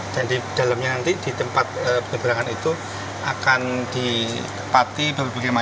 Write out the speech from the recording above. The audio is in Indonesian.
dan di dalamnya nanti di tempat pengeberangan itu akan dipati beberapa masyarakat